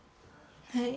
はい。